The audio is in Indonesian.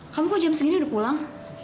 kamu kok jam segini udah pulang